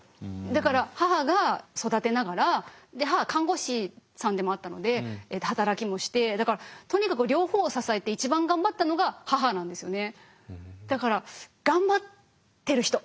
だから母が育てながら母は看護師さんでもあったので働きもしてだからとにかく両方を支えて一番頑張ったのが母なんですよね。